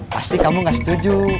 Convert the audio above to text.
pasti kamu gak setuju